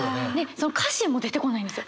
その歌詞も出てこないんですよ。